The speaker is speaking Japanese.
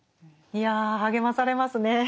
いや励まされますね。